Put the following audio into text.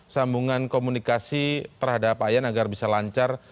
sambungan komunikasi terhadap pak ian agar bisa lancar